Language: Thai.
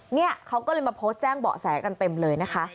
เนี่ยเขาก็เลยมาโพสต์แจ้งเบาะแสกันเต็มเลยนะคะ